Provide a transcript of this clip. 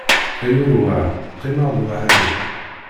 Ay urweɣ, qqimeɣ-d weḥd-i!